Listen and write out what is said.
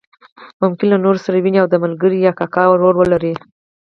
ممکن له نورو سره وویني او د ملګري یا کاکا رول ولري.